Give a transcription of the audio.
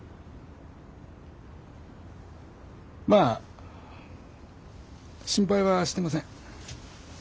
まあ心配はしてません。